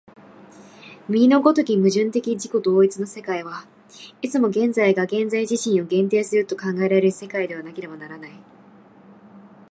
右の如き矛盾的自己同一の世界は、いつも現在が現在自身を限定すると考えられる世界でなければならない。